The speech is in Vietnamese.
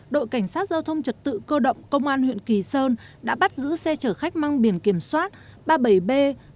đội cảnh sát giao thông trật tự cơ động công an huyện kỳ sơn đã bắt giữ xe chở khách mang biển kiểm soát ba mươi bảy b bảy trăm tám mươi một